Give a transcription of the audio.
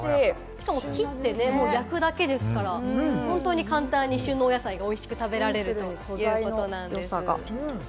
しかも切って焼くだけですから、本当に簡単に旬のお野菜を食べられるということなんです。